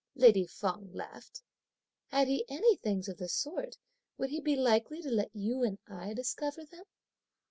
lady Feng laughed, "had he any things of the sort, would he be likely to let you and I discover them!"